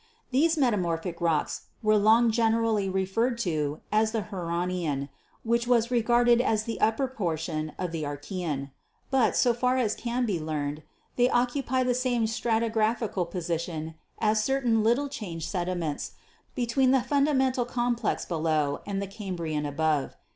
These metamorphic rocks were long generally referred to as the Huronian, which was regarded as the upper portion of the Archsean, but, so far as can be learned, they occupy the same stratigraphical position as certain little changed sediments, between the fundamental complex below and the Cambrian above.